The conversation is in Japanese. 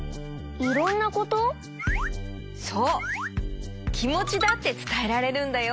そうきもちだってつたえられるんだよ。